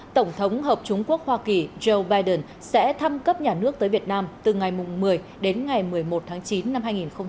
tổng thống hợp chúng quốc hoa kỳ joe biden sẽ thăm cấp nhà nước tới việt nam từ ngày một mươi đến ngày một mươi một tháng chín năm hai nghìn hai mươi